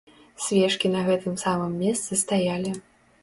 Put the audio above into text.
Свечкі на гэтым самым месцы стаялі.